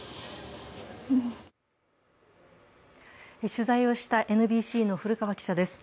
取材をしたＮＢＣの古川記者です。